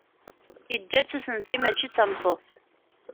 Yeǧǧa-tt usensi, mačči d tameṭṭut.